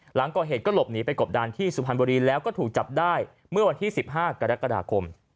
หลังก่อเหตุก็หลบหนีไปกบดานที่สุพรรณบุรีแล้วก็ถูกจับได้เมื่อวันที่๑๕กรกฎาคม